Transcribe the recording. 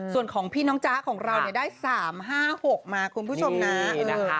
ส่วนของพี่น้องจ๊ะของเราเนี่ยได้๓๕๖มาคุณผู้ชมนะ